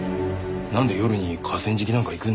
なんで夜に河川敷なんか行くんだよ。